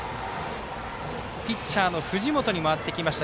ピッチャーの藤本に回ってきました。